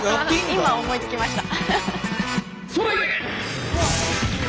今思いつきました。